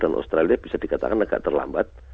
dan australia bisa dikatakan agak terlambat